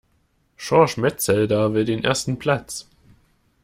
Schorsch Metzelder will den ersten Platz.